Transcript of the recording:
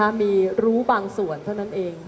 ไม่อยู่ค่ะมีรู้บางส่วนเท่านั้นเอง